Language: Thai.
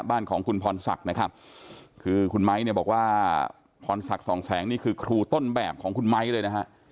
บ้านของคุณพรศักดิ์นะครับคือคุณไม้เนี่ยบอกว่าพรศักดิ์สองแสงนี่คือครูต้นแบบของคุณไม้เลยนะฮะ